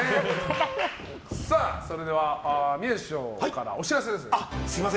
それでは宮治師匠からお知らせです。